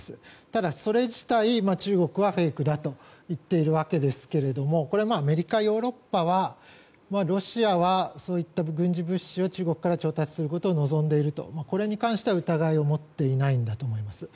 ただ、それ自体、中国はフェイクだと言っていますがこれはアメリカ、ヨーロッパはロシアはそういった軍事物資を中国から調達することを望んでいる、これに関しては疑いを持っていないのだと思います。